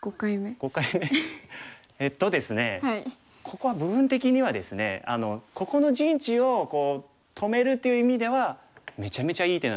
ここは部分的にはですねここの陣地を止めるという意味ではめちゃめちゃいい手なんですよ。